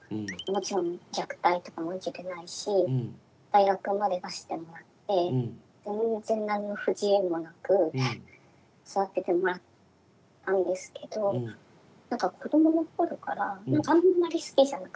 もちろん虐待とかも受けてないし大学まで出してもらって全然何の不自由もなく育ててもらったんですけど何か子どもの頃からあんまり好きじゃなくて。